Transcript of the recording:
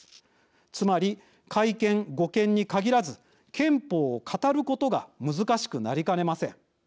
つまり改憲、護憲に限らず憲法を語ることが難しくなりかねません。